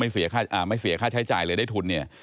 ไม่เสียค่าใช้จ่ายเลยได้ทุนเนี่ย